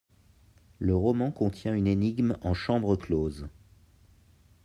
Le roman contient une énigme en chambre close.